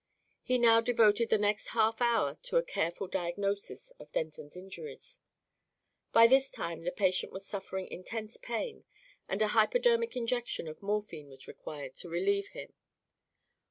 He now devoted the next half hour to a careful diagnosis of Denton's injuries. By this time the patient was suffering intense pain and a hypodermic injection of morphine was required to relieve him.